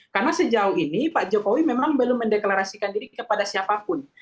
karena sejauh ini pak jokowi memang belum mendeklarasikan diri kepada siapapun